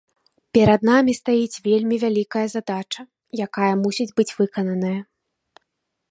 Перад намі стаіць вельмі вялікая задача, якая мусіць быць выкананая.